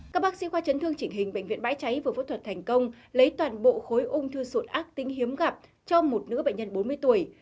các bác sĩ khoa chấn thương chỉnh hình bệnh viện bãi cháy vừa phẫu thuật thành công lấy toàn bộ khối ung thư sụt ác tính hiếm gặp cho một nữ bệnh nhân bốn mươi tuổi